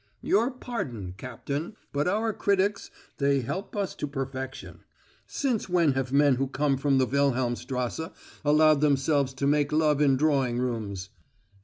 Your pardon, Cap tain; but our critics, they help us to per fection. Since when have men who come from the Wilhelmstrasse allowed themselves to make love in drawing rooms?"